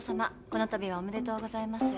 この度はおめでとうございます。